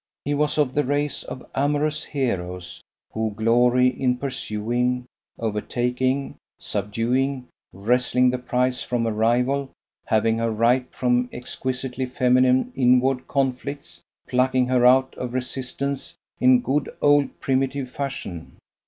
He was of the race of amorous heroes who glory in pursuing, overtaking, subduing: wresting the prize from a rival, having her ripe from exquisitely feminine inward conflicts, plucking her out of resistance in good old primitive fashion.